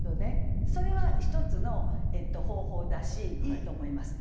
それは一つの方法だしいいと思います。